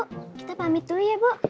kita pamit dulu ya bu